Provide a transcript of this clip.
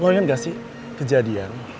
lo inget gak sih kejadian